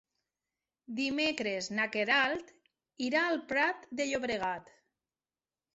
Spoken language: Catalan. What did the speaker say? Dimecres na Queralt irà al Prat de Llobregat.